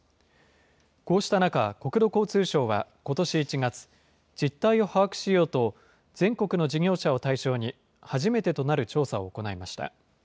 こうした中、国土交通省はことし１月、実態を把握しようと、全国の事業者を対象に初めてとなる調査を行いました。